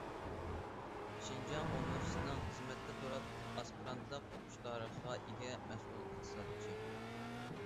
شىنجاڭ ئۇنىۋېرسىتېتىنىڭ خىزمەتتە تۇرۇپ ئاسپىرانتلىق ئوقۇش تارىخىغا ئىگە، مەسئۇل ئىقتىسادچى.